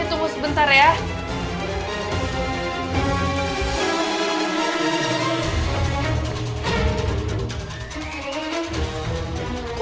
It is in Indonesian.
mbak bisa aku ke